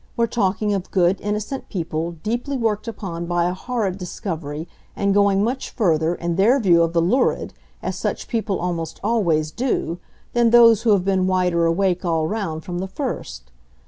We're talking of good innocent people deeply worked upon by a horrid discovery, and going much further, in their view of the lurid, as such people almost always do, than those who have been wider awake, all round, from the first.